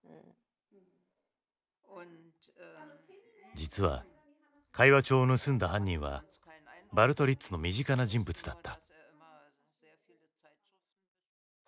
実は会話帳を盗んだ犯人はバルトリッツの身近な人物だった。